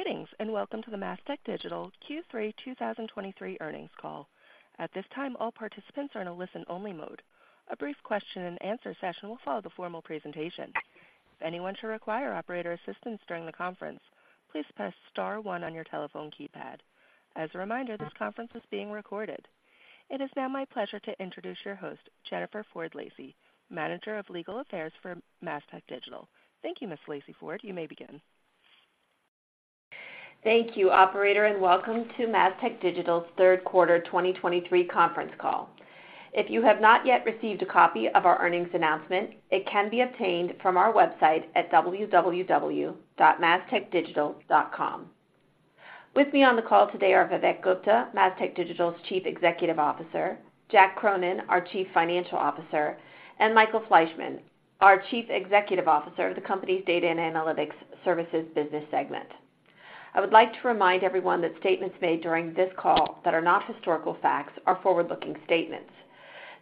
Greetings, and welcome to the Mastech Digital Q3 2023 Earnings Call. At this time, all participants are in a listen-only mode. A brief question and answer session will follow the formal presentation. If anyone should require operator assistance during the conference, please press star one on your telephone keypad. As a reminder, this conference is being recorded. It is now my pleasure to introduce your host, Jennifer Ford Lacey, Manager of Legal Affairs for Mastech Digital. Thank you, Ms. Ford Lacey. You may begin. Thank you, operator, and welcome to Mastech Digital's Third Quarter 2023 Conference Call. If you have not yet received a copy of our earnings announcement, it can be obtained from our website at www.mastechdigital.com. With me on the call today are Vivek Gupta, Mastech Digital's Chief Executive Officer, Jack Cronin, our Chief Financial Officer, and Michael Fleishman, our Chief Executive Officer of the company's Data and Analytics Services business segment. I would like to remind everyone that statements made during this call that are not historical facts are forward-looking statements.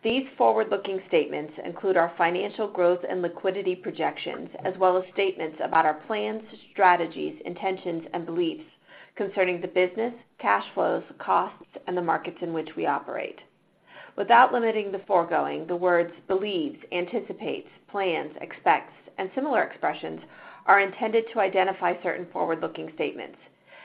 These forward-looking statements include our financial growth and liquidity projections, as well as statements about our plans, strategies, intentions, and beliefs concerning the business, cash flows, costs, and the markets in which we operate. Without limiting the foregoing, the words believes, anticipates, plans, expects, and similar expressions are intended to identify certain forward-looking statements.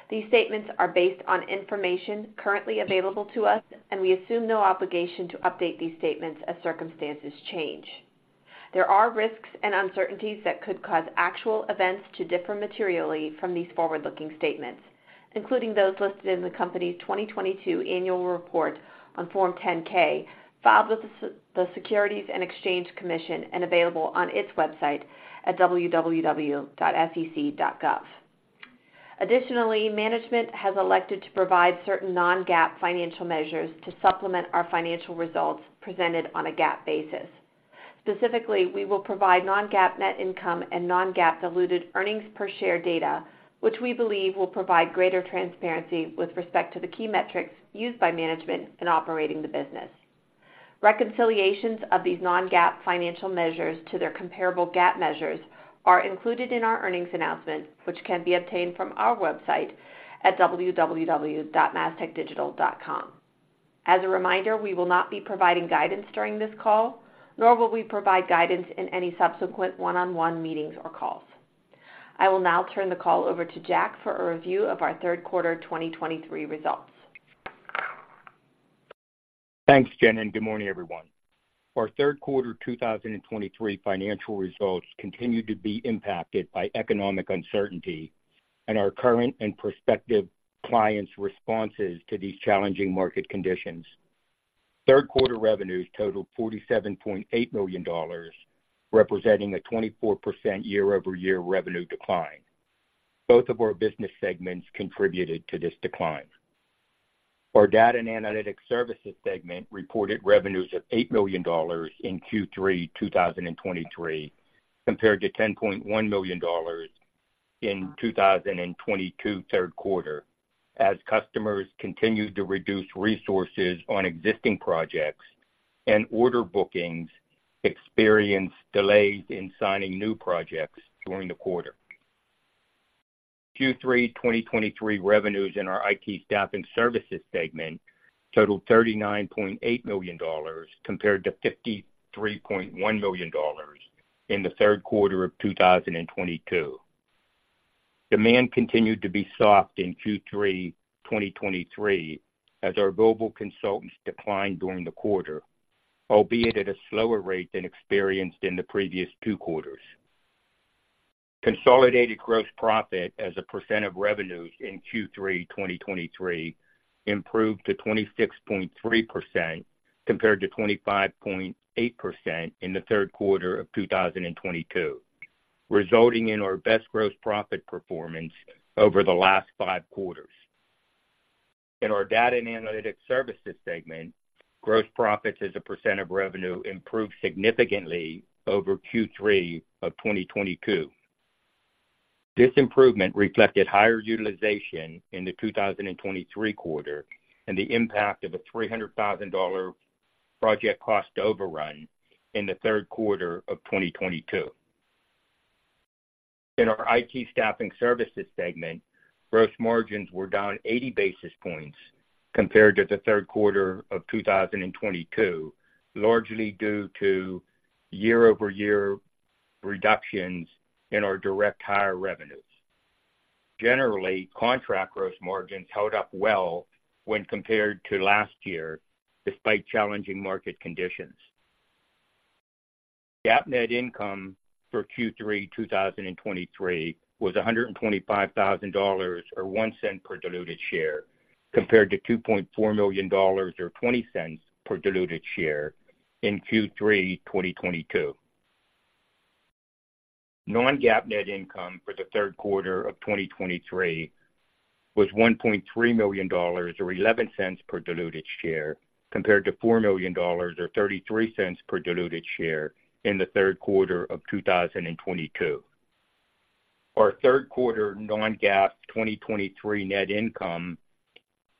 These statements are based on information currently available to us, and we assume no obligation to update these statements as circumstances change. There are risks and uncertainties that could cause actual events to differ materially from these forward-looking statements, including those listed in the company's 2022 annual report on Form 10-K, filed with the SEC, Securities and Exchange Commission and available on its website at www.sec.gov. Additionally, management has elected to provide certain non-GAAP financial measures to supplement our financial results presented on a GAAP basis. Specifically, we will provide non-GAAP net income and non-GAAP diluted earnings per share data, which we believe will provide greater transparency with respect to the key metrics used by management in operating the business. Reconciliations of these non-GAAP financial measures to their comparable GAAP measures are included in our earnings announcement, which can be obtained from our website at www.mastechdigital.com.As a reminder, we will not be providing guidance during this call, nor will we provide guidance in any subsequent one-on-one meetings or calls. I will now turn the call over to Jack for a review of our third quarter 2023 results. Thanks, Jen, and good morning, everyone. Our third quarter 2023 financial results continued to be impacted by economic uncertainty and our current and prospective clients' responses to these challenging market conditions. Third quarter revenues totaled $47.8 million, representing a 24% year-over-year revenue decline. Both of our business segments contributed to this decline. Our Data and Analytics Services segment reported revenues of $8 million in Q3 2023, compared to $10.1 million in 2022 third quarter, as customers continued to reduce resources on existing projects and order bookings, experienced delays in signing new projects during the quarter. Q3 2023 revenues in our IT Staffing Services segment totaled $39.8 million, compared to $53.1 million in the third quarter of 2022. Demand continued to be soft in Q3 2023 as our global consultants declined during the quarter, albeit at a slower rate than experienced in the previous two quarters. Consolidated gross profit as a percent of revenues in Q3 2023 improved to 26.3%, compared to 25.8% in the third quarter of 2022, resulting in our best gross profit performance over the last five quarters. In our Data and Analytics Services segment, gross profits as a percent of revenue improved significantly over Q3 of 2022. This improvement reflected higher utilization in the 2023 quarter and the impact of a $300,000 project cost overrun in the third quarter of 2022. In our IT Staffing Services segment, gross margins were down 80 basis points compared to the third quarter of 2022, largely due to year-over-year reductions in our direct hire revenues. Generally, contract gross margins held up well when compared to last year, despite challenging market conditions. GAAP net income for Q3 2023 was $125,000, or $0.01 per diluted share, compared to $2.4 million, or $0.20 per diluted share in Q3 2022. Non-GAAP net income for the third quarter of 2023 was $1.3 million, or $0.11 per diluted share, compared to $4 million, or $0.33 per diluted share in the third quarter of 2022. Our third quarter non-GAAP 2023 net income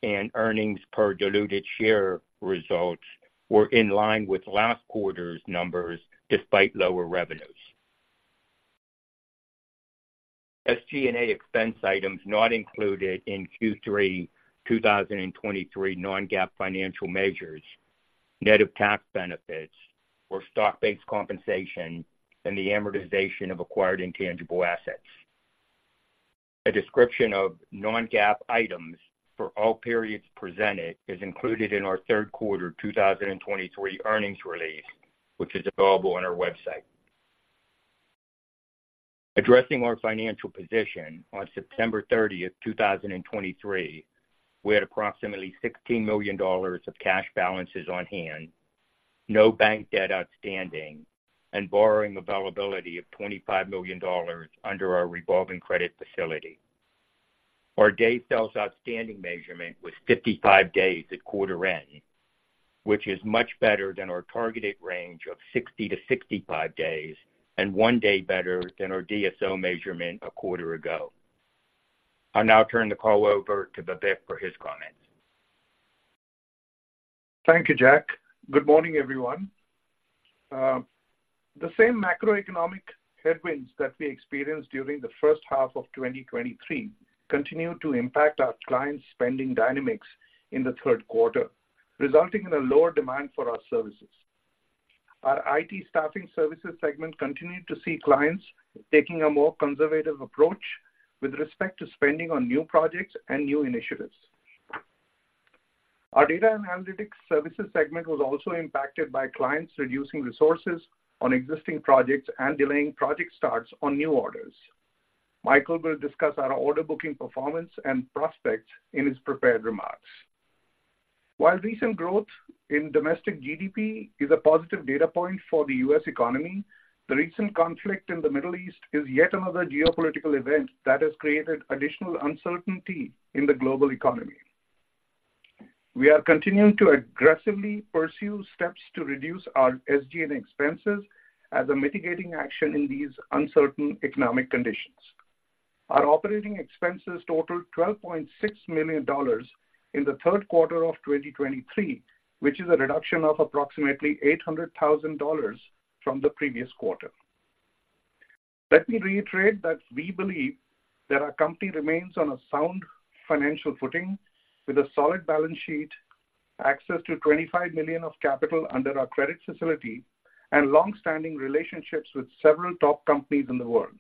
and earnings per diluted share results were in line with last quarter's numbers, despite lower revenues. SG&A expense items not included in Q3 2023 non-GAAP financial measures, net of tax benefits or stock-based compensation, and the amortization of acquired intangible assets. A description of non-GAAP items for all periods presented is included in our third quarter 2023 earnings release, which is available on our website. Addressing our financial position, on September 30th, 2023, we had approximately $16 million of cash balances on hand, no bank debt outstanding, and borrowing availability of $25 million under our revolving credit facility. Our days sales outstanding measurement was 55 days at quarter end, which is much better than our targeted range of 60–65 days and one day better than our DSO measurement a quarter ago. I'll now turn the call over to Vivek for his comments. Thank you, Jack. Good morning, everyone. The same macroeconomic headwinds that we experienced during the first half of 2023 continued to impact our clients' spending dynamics in the third quarter, resulting in a lower demand for our services. Our IT Staffing Services segment continued to see clients taking a more conservative approach with respect to spending on new projects and new initiatives. Our Data and Analytics Services segment was also impacted by clients reducing resources on existing projects and delaying project starts on new orders. Michael will discuss our order booking, performance, and prospects in his prepared remarks. While recent growth in domestic GDP is a positive data point for the U.S. economy, the recent conflict in the Middle East is yet another geopolitical event that has created additional uncertainty in the global economy. We are continuing to aggressively pursue steps to reduce our SG&A expenses as a mitigating action in these uncertain economic conditions. Our operating expenses totaled $12.6 million in the third quarter of 2023, which is a reduction of approximately $800,000 from the previous quarter. Let me reiterate that we believe that our company remains on a sound financial footing with a solid balance sheet, access to $25 million of capital under our credit facility, and long-standing relationships with several top companies in the world.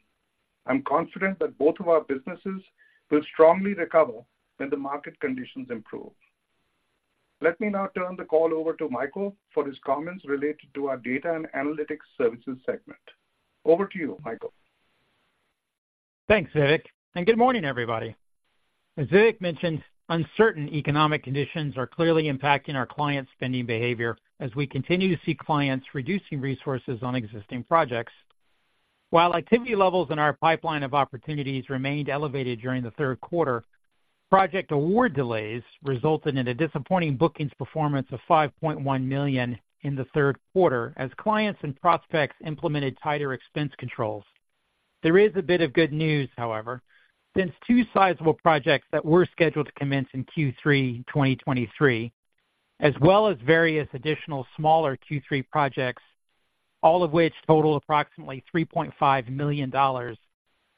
I'm confident that both of our businesses will strongly recover when the market conditions improve. Let me now turn the call over to Michael for his comments related to our Data and Analytics Services segment. Over to you, Michael. Thanks, Vivek, and good morning, everybody. As Vivek mentioned, uncertain economic conditions are clearly impacting our client spending behavior as we continue to see clients reducing resources on existing projects. While activity levels in our pipeline of opportunities remained elevated during the third quarter, project award delays resulted in a disappointing bookings performance of $5.1 million in the third quarter as clients and prospects implemented tighter expense controls. There is a bit of good news, however, since two sizable projects that were scheduled to commence in Q3, 2023, as well as various additional smaller Q3 projects, all of which total approximately $3.5 million,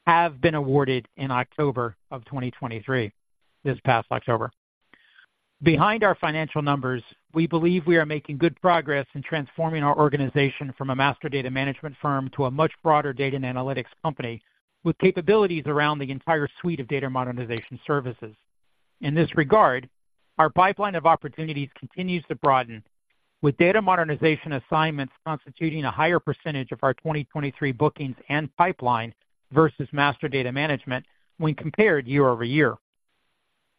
have been awarded in October of 2023, this past October. Behind our financial numbers, we believe we are making good progress in transforming our organization from a master data management firm to a much broader data and analytics company, with capabilities around the entire suite of data modernization services. In this regard, our pipeline of opportunities continues to broaden, with data modernization assignments constituting a higher percentage of our 2023 bookings and pipeline versus master data management when compared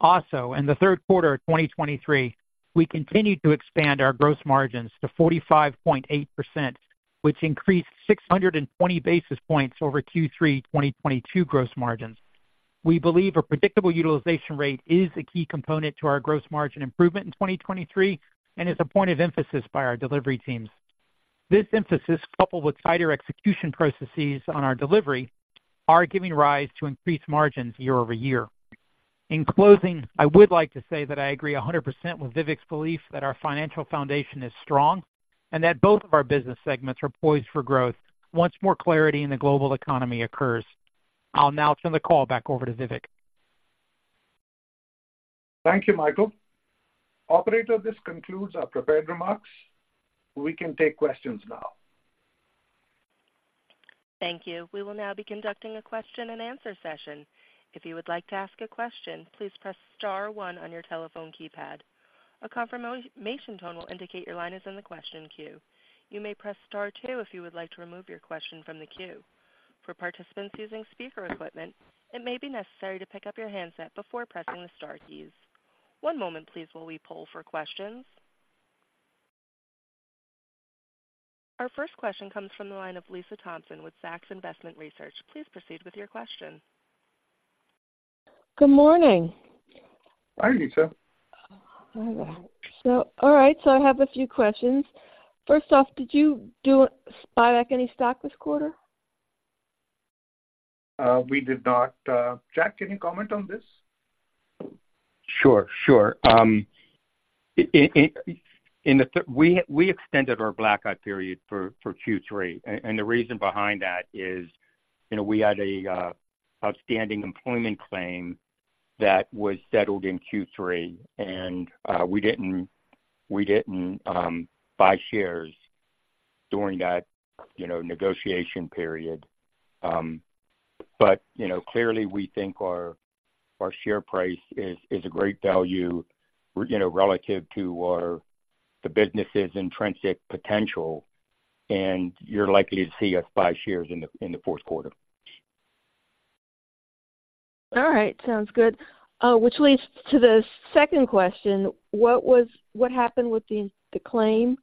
year-over-year. Also, in the third quarter of 2023, we continued to expand our gross margins to 45.8%, which increased 620 basis points over Q3 2022 gross margins. We believe a predictable utilization rate is a key component to our gross margin improvement in 2023 and is a point of emphasis by our delivery teams. This emphasis, coupled with tighter execution processes on our delivery, are giving rise to increased margins year over year. In closing, I would like to say that I agree 100% with Vivek's belief that our financial foundation is strong and that both of our business segments are poised for growth once more clarity in the global economy occurs. I'll now turn the call back over to Vivek. Thank you, Michael. Operator, this concludes our prepared remarks. We can take questions now. Thank you. We will now be conducting a question and answer session. If you would like to ask a question, please press star one on your telephone keypad. A confirmation tone will indicate your line is in the question queue. You may press star two if you would like to remove your question from the queue. For participants using speaker equipment, it may be necessary to pick up your handset before pressing the star keys. One moment, please, while we poll for questions. Our first question comes from the line of Lisa Thompson with Zacks Investment Research. Please proceed with your question. Good morning. Hi, Lisa. Hi, there. So all right, so I have a few questions. First off, did you do buyback any stock this quarter? We did not. Jack, can you comment on this? Sure, sure. We extended our blackout period for Q3. And the reason behind that is, you know, we had a outstanding employment claim that was settled in Q3, and we didn't buy shares during that, you know, negotiation period. But, you know, clearly we think our share price is a great value, you know, relative to our—the business's intrinsic potential, and you're likely to see us buy shares in the fourth quarter. All right. Sounds good. Which leads to the second question: What happened with the claim,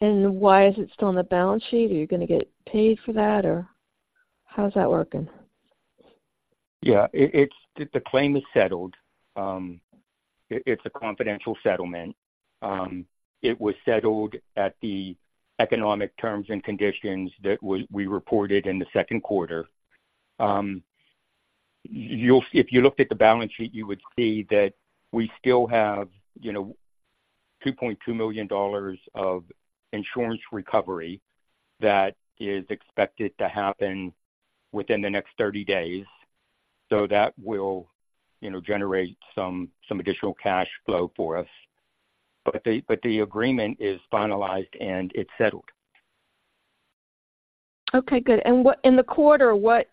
and why is it still on the balance sheet? Are you gonna get paid for that, or how is that working? Yeah, it's the claim is settled. It's a confidential settlement. It was settled at the economic terms and conditions that we reported in the second quarter. You'll see, if you looked at the balance sheet, you would see that we still have, you know, $2.2 million of insurance recovery that is expected to happen within the next 30 days. So that will, you know, generate some additional cash flow for us. But the agreement is finalized, and it's settled. Okay, good. In the quarter, what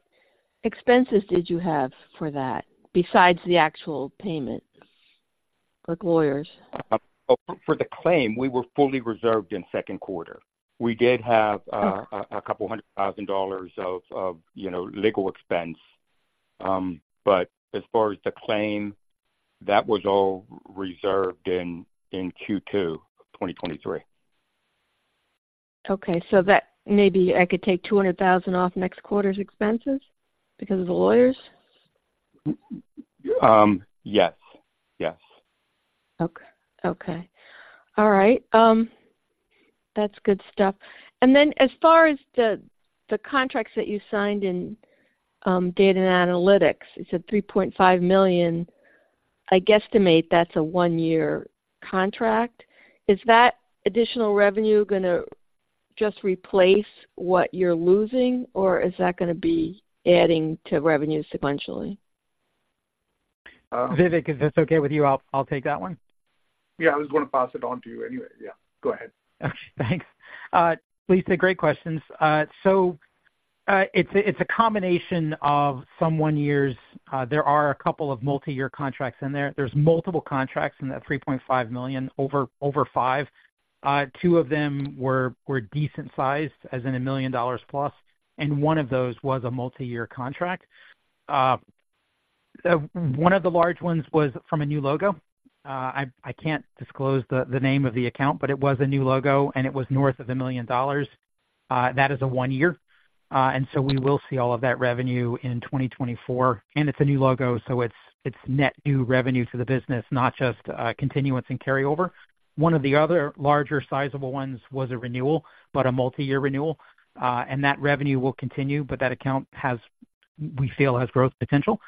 expenses did you have for that, besides the actual payment, like lawyers? For the claim, we were fully reserved in second quarter. We did have a couple $200,000 of you know legal expense. But as far as the claim, that was all reserved in Q2, 2023. Okay. So that maybe I could take $200,000 off next quarter's expenses because of the lawyers? Yes. Yes. Okay. Okay. All right, that's good stuff. And then as far as the, the contracts that you signed in, data and analytics, you said $3.5 million. I guesstimate that's a one-year contract. Is that additional revenue gonna just replace what you're losing, or is that gonna be adding to revenue sequentially? Vivek, if that's okay with you, I'll take that one. Yeah, I was gonna pass it on to you anyway. Yeah, go ahead. Okay, thanks. Lisa, great questions. So, it's a combination of some one-year. There are a couple of multi-year contracts in there. There's multiple contracts in that $3.5 million, over five. Two of them were decent sized, as in $1 million+, and one of those was a multiyear contract. One of the large ones was from a new logo. I can't disclose the name of the account, but it was a new logo, and it was north of $1 million. That is a one-year, and so we will see all of that revenue in 2024. And it's a new logo, so it's net new revenue to the business, not just continuance and carryover. One of the other larger sizable ones was a renewal, but a multi-year renewal, and that revenue will continue, but that account has, we feel has growth potential.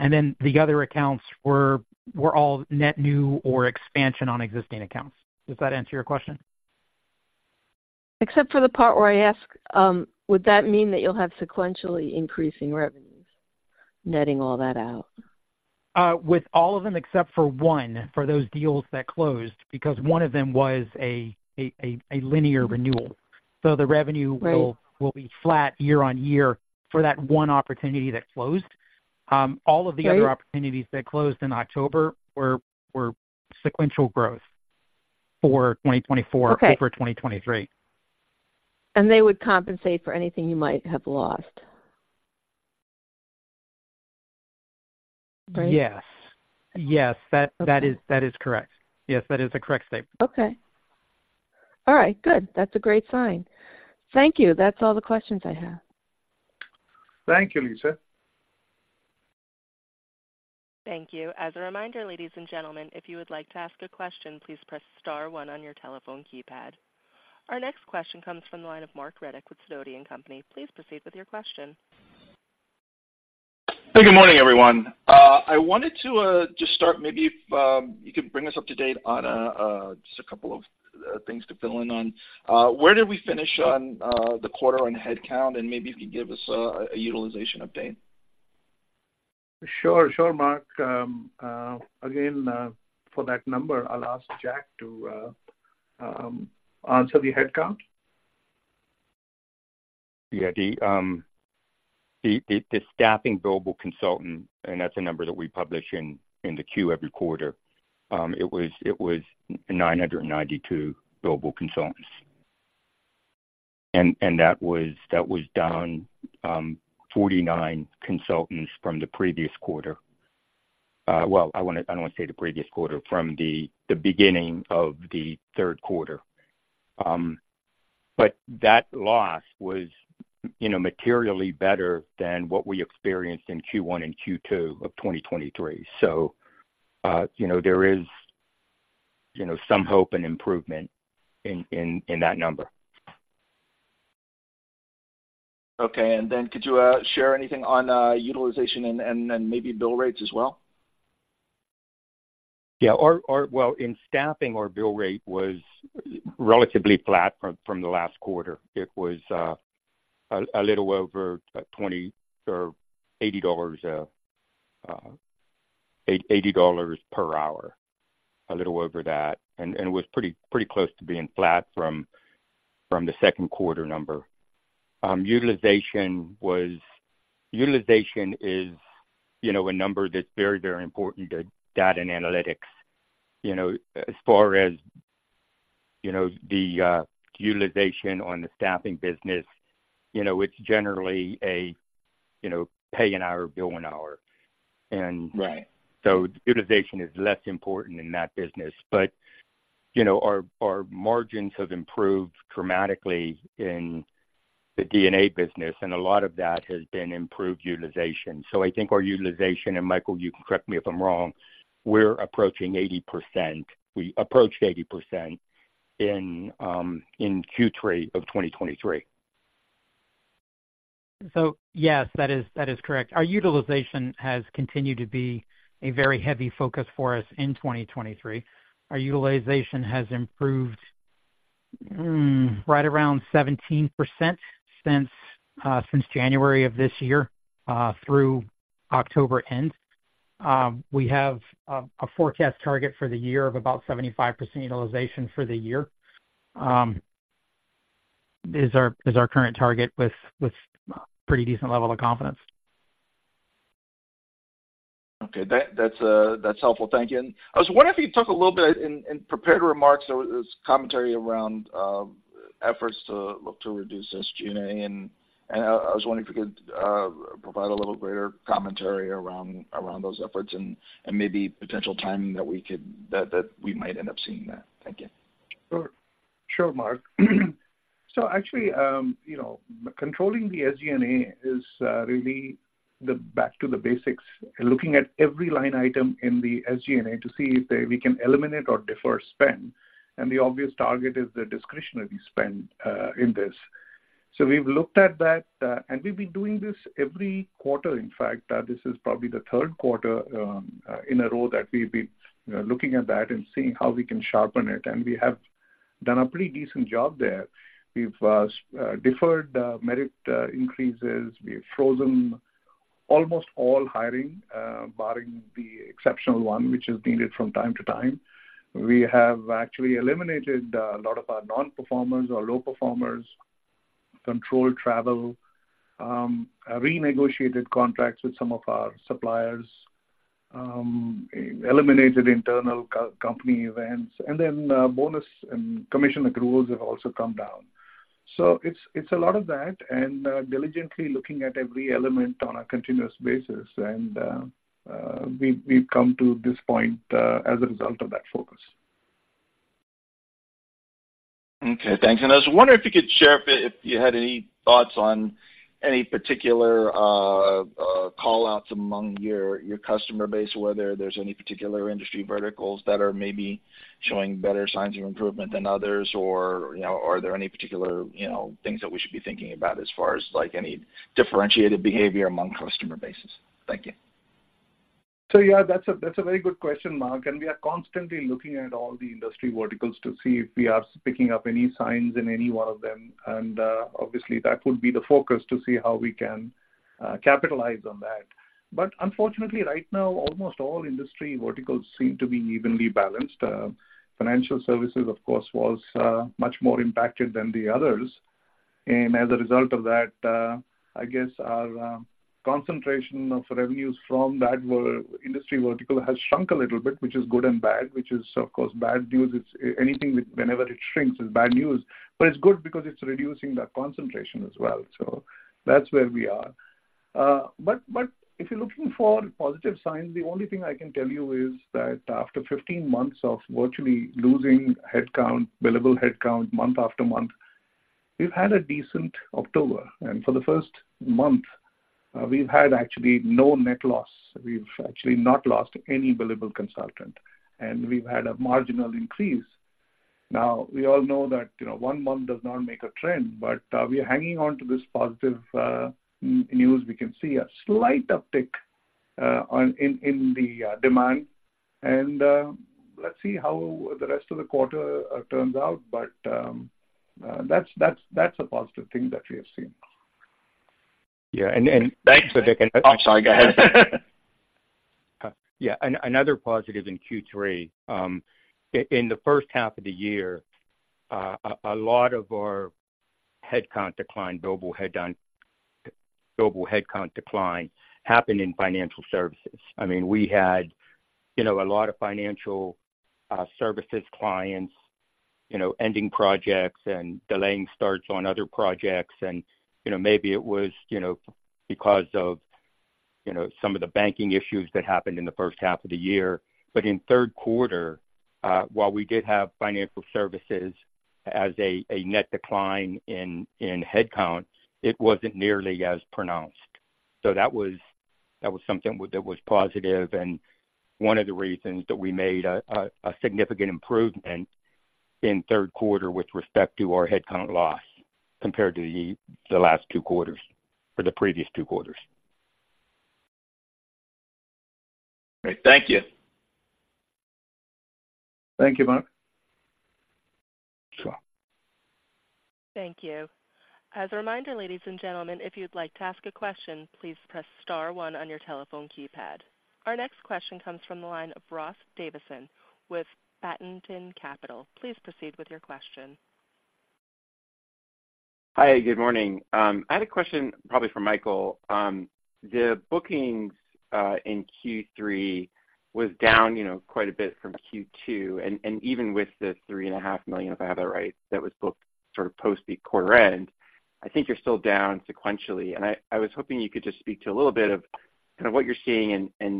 And then the other accounts were all net new or expansion on existing accounts. Does that answer your question? Except for the part where I asked, would that mean that you'll have sequentially increasing revenues, netting all that out? With all of them, except for one, for those deals that closed, because one of them was a linear renewal. Right. So the revenue will be flat year-on-year for that one opportunity that closed. All of the other opportunities that closed in October were sequential growth for 2024. Okay. Over 2023. They would compensate for anything you might have lost, right? Yes. Yes. Okay. That is, that is correct. Yes, that is a correct statement. Okay. All right, good. That's a great sign. Thank you. That's all the questions I have. Thank you, Lisa. Thank you. As a reminder, ladies and gentlemen, if you would like to ask a question, please press star one on your telephone keypad. Our next question comes from the line of Marc Riddick with Sidoti & Company. Please proceed with your question. Hey, good morning, everyone. I wanted to just start maybe if you could bring us up to date on just a couple of things to fill in on. Where did we finish on the quarter on headcount, and maybe you could give us a utilization update? Sure, sure, Marc. Again, for that number, I'll ask Jack to answer the headcount. Yeah, the staffing billable consultant, and that's a number that we publish in the queue every quarter. It was 992 billable consultants, and that was down 49 consultants from the previous quarter. Well, I wanna—I don't wanna say the previous quarter, from the beginning of the third quarter. But that loss was, you know, materially better than what we experienced in Q1 and Q2 of 2023. So, you know, there is you know, some hope and improvement in that number. Okay. And then could you share anything on utilization and maybe bill rates as well? Yeah. Our—well, in staffing, our bill rate was relatively flat from the last quarter. It was a little over $20 or $80, $80 per hour, a little over that, and was pretty close to being flat from the second quarter number. Utilization is, you know, a number that's very important to data and analytics. You know, as far as, you know, the utilization on the staffing business, you know, it's generally a, you know, pay an hour, bill an hour. Right. So utilization is less important in that business. But, you know, our margins have improved dramatically in the D&A business, and a lot of that has been improved utilization. So I think our utilization, and Michael, you can correct me if I'm wrong, we're approaching 80%. We approached 80% in Q3 of 2023. So yes, that is, that is correct. Our utilization has continued to be a very heavy focus for us in 2023. Our utilization has improved right around 17% since, since January of this year through October end. We have a forecast target for the year of about 75% utilization for the year—is our is our current target with with pretty decent level of confidence. Okay. That's helpful. Thank you. And I was wondering if you took a little bit in prepared remarks, there was commentary around efforts to look to reduce SG&A, and I was wondering if you could provide a little greater commentary around those efforts and maybe potential timing that we could—that we might end up seeing that. Thank you. Sure. Sure, Marc. So actually, you know, controlling the SG&A is really the back to the basics and looking at every line item in the SG&A to see if we can eliminate or defer spend. And the obvious target is the discretionary spend in this. So we've looked at that, and we've been doing this every quarter. In fact, this is probably the third quarter in a row that we've been looking at that and seeing how we can sharpen it. And we have done a pretty decent job there. We've deferred merit increases. We've frozen almost all hiring, barring the exceptional one, which is needed from time to time. We have actually eliminated a lot of our non-performers or low performers, controlled travel, renegotiated contracts with some of our suppliers, eliminated internal company events, and then bonus and commission accruals have also come down. So it's a lot of that and diligently looking at every element on a continuous basis, and we've come to this point as a result of that focus. Okay, thanks. I was wondering if you could share, if you had any thoughts on any particular call-outs among your customer base, whether there's any particular industry verticals that are maybe showing better signs of improvement than others, or, you know, are there any particular, you know, things that we should be thinking about as far as, like, any differentiated behavior among customer bases? Thank you. So yeah, that's a very good question, Marc, and we are constantly looking at all the industry verticals to see if we are picking up any signs in any one of them. And, obviously, that would be the focus to see how we can capitalize on that. But unfortunately, right now, almost all industry verticals seem to be evenly balanced. Financial services, of course, was much more impacted than the others. And as a result of that, I guess our concentration of revenues from that industry vertical has shrunk a little bit, which is good and bad, which is, of course, bad news. It's anything with—whenever it shrinks, is bad news, but it's good because it's reducing that concentration as well. So that's where we are. But if you're looking for positive signs, the only thing I can tell you is that after 15 months of virtually losing headcount, billable headcount, month after month, we've had a decent October. And for the first month, we've had actually no net loss. We've actually not lost any billable consultant, and we've had a marginal increase. Now, we all know that, you know, one month does not make a trend, but we are hanging on to this positive news. We can see a slight uptick in the demand, and let's see how the rest of the quarter turns out. But that's a positive thing that we have seen. Yeah. Thanks. Oh, sorry, go ahead. Yeah, another positive in Q3, in the first half of the year, a lot of our headcount decline, billable headcount decline, happened in financial services. I mean, we had, you know, a lot of financial services clients, you know, ending projects and delaying starts on other projects. And, you know, maybe it was, you know, because of, you know, some of the banking issues that happened in the first half of the year. But in third quarter, while we did have financial services as a net decline in headcount, it wasn't nearly as pronounced. So that was something that was positive and one of the reasons that we made a significant improvement in third quarter with respect to our headcount loss compared to the last two quarters or the previous two quarters. Great. Thank you. Thank you, Marc. Syre. Thank you. As a reminder, ladies and gentlemen, if you'd like to ask a question, please press star one on your telephone keypad. Our next question comes from the line of Ross Davisson with Banneton Capital. Please proceed with your question. Hi, good morning. I had a question probably for Michael. The bookings in Q3 was down, you know, quite a bit from Q2, and even with the $3.5 million, if I have that right, that was booked sort of post the quarter end, I think you're still down sequentially. And I was hoping you could just speak to a little bit of kind of what you're seeing and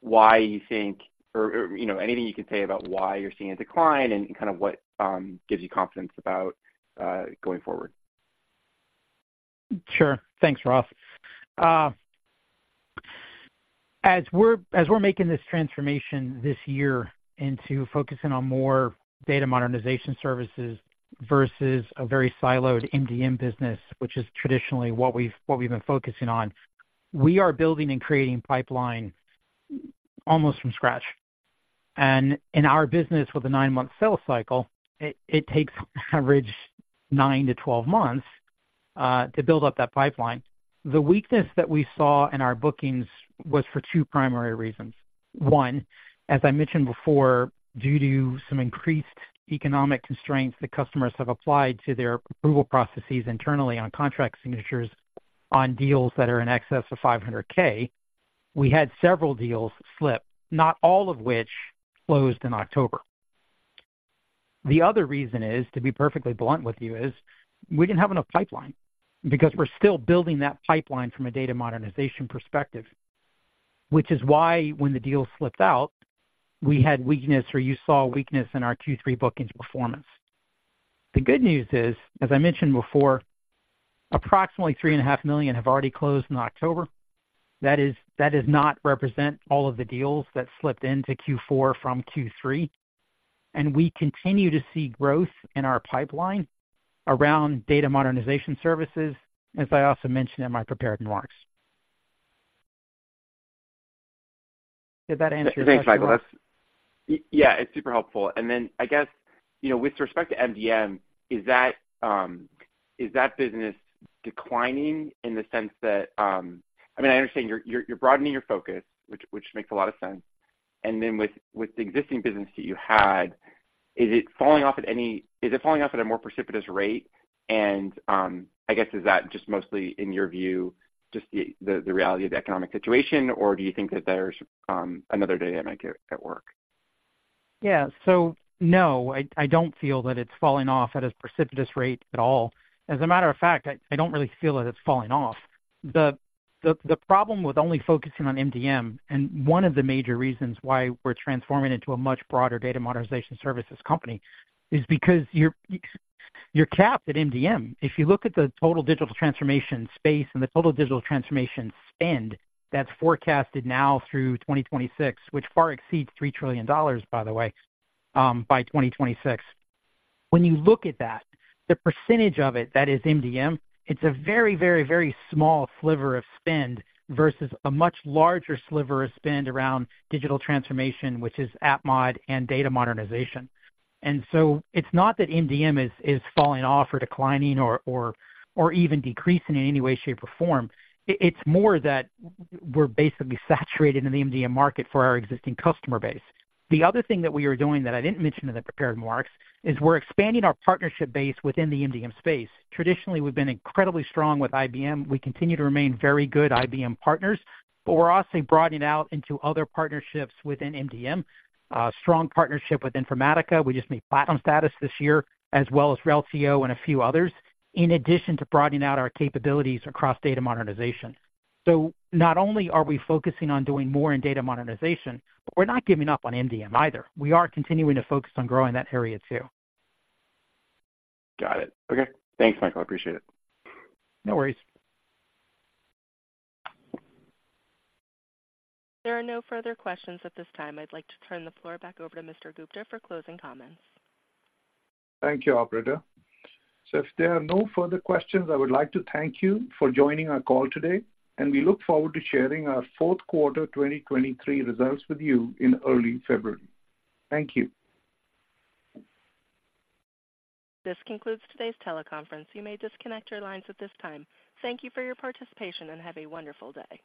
why you think, or you know, anything you can say about why you're seeing a decline and kind of what gives you confidence about going forward? Sure. Thanks, Ross. As we're, as we're making this transformation this year into focusing on more data modernization services versus a very siloed MDM business, which is traditionally what we've, what we've been focusing on, we are building and creating pipeline almost from scratch. In our business, with a nine-month sales cycle, it, it takes average nine to 12 months to build up that pipeline. The weakness that we saw in our bookings was for two primary reasons. One, as I mentioned before, due to some increased economic constraints that customers have applied to their approval processes internally on contract signatures on deals that are in excess of $500,000, we had several deals slip, not all of which closed in October. The other reason is, to be perfectly blunt with you, is we didn't have enough pipeline, because we're still building that pipeline from a data modernization perspective. Which is why when the deal slipped out, we had weakness, or you saw weakness in our Q3 bookings performance. The good news is, as I mentioned before, approximately $3.5 million have already closed in October. That does not represent all of the deals that slipped into Q4 from Q3, and we continue to see growth in our pipeline around data modernization services, as I also mentioned in my prepared remarks. Did that answer your question? Thanks, Michael. That's—yeah, it's super helpful. And then I guess, you know, with respect to MDM, is that, is that business declining in the sense that—I mean, I understand you're broadening your focus, which makes a lot of sense. And then with the existing business that you had, is it falling off at any—is it falling off at a more precipitous rate? And, I guess, is that just mostly in your view, just the reality of the economic situation, or do you think that there's another dynamic at work? Yeah. So, no, I don't feel that it's falling off at a precipitous rate at all. As a matter of fact, I don't really feel that it's falling off. The problem with only focusing on MDM, and one of the major reasons why we're transforming into a much broader data modernization services company, is because you're capped at MDM. If you look at the total digital transformation space and the total digital transformation spend, that's forecasted now through 2026, which far exceeds $3 trillion, by the way, by 2026. When you look at that, the percentage of it that is MDM, it's a very, very, very small sliver of spend versus a much larger sliver of spend around digital transformation, which is app mod and data modernization. And so it's not that MDM is falling off or declining or even decreasing in any way, shape, or form. It's more that we're basically saturated in the MDM market for our existing customer base. The other thing that we are doing that I didn't mention in the prepared remarks is we're expanding our partnership base within the MDM space. Traditionally, we've been incredibly strong with IBM. We continue to remain very good IBM partners, but we're also broadening out into other partnerships within MDM. Strong partnership with Informatica. We just made platinum status this year, as well as Reltio and a few others, in addition to broadening out our capabilities across data modernization. So not only are we focusing on doing more in data modernization, but we're not giving up on MDM either. We are continuing to focus on growing that area too. Got it. Okay. Thanks, Michael. I appreciate it. No worries. There are no further questions at this time. I'd like to turn the floor back over to Mr. Gupta for closing comments. Thank you, operator. If there are no further questions, I would like to thank you for joining our call today, and we look forward to sharing our fourth quarter 2023 results with you in early February. Thank you. This concludes today's teleconference. You may disconnect your lines at this time. Thank you for your participation, and have a wonderful day.